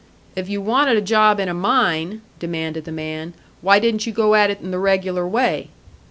"If you wanted a job in a mine," demanded the man, "why didn't you go at it in the regular way?"